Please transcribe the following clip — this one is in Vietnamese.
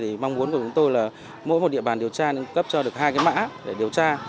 thì mong muốn của chúng tôi là mỗi một địa bàn điều tra cũng cấp cho được hai cái mã để điều tra